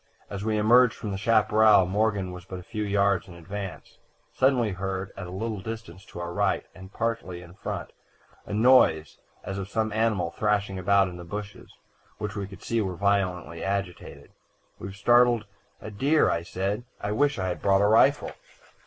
As we emerged from the chaparral, Morgan was but a few yards in advance. Suddenly, we heard, at a little distance to our right, and partly in front, a noise as of some animal thrashing about in the bushes, which we could see were violently agitated. "'We've started a deer,' said. 'I wish we had brought a rifle.'